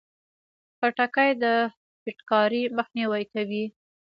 خټکی د فټکاري مخنیوی کوي.